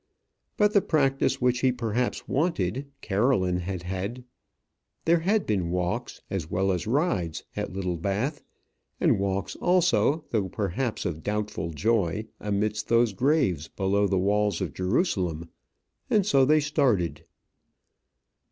But the practice which he perhaps wanted, Caroline had had. There had been walks as well as rides at Littlebath; and walks also, though perhaps of doubtful joy, amidst those graves below the walls of Jerusalem. And so they started.